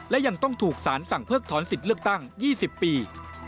และยังต้องถูกสารสั่งเพิกถอนสิทธิ์เลือกตั้ง๒๐ปี